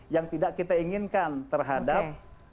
yang tidak kita inginkan terhadap